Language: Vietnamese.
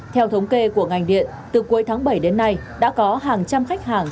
theo thống kê của ngành điện từ cuối tháng bảy đến nay đã có hàng trăm khách hàng